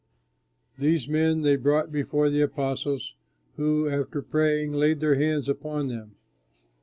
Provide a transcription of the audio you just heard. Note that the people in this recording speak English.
These men they brought before the apostles, who after praying laid their hands upon them.